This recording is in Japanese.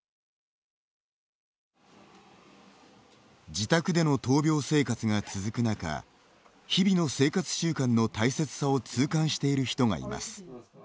自宅での闘病生活が続くなか日々の生活習慣の大切さを痛感している人がいます。